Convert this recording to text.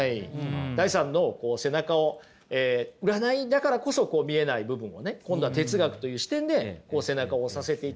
ダイさんの背中を占いだからこそ見えない部分をね今度は哲学という視点で背中を押させていただいたと。